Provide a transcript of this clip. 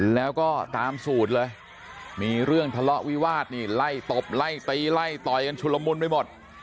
แล้วก็ตามสูตรเลยมีเรื่องทะเลาะวิวาสนี่ไล่ตบไล่ตีไล่ต่อยกันชุลมุนไปหมด